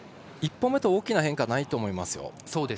１本目と大きな変化はないと思いますよ。